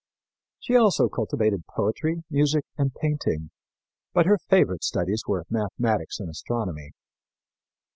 She also cultivated poetry, music and painting; but her favorite studies were mathematics and astronomy.